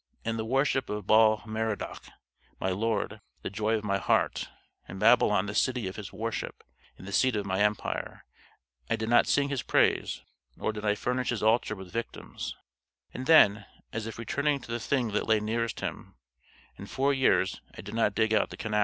In the worship of Bel Merodach, my Lord, the joy of my heart, in Babylon the city of his worship and the seat of my empire, I did not sing his praise, nor did I furnish his altar with victims" and then, as if returning to the thing that lay nearest him "In four years I did not dig out the canals."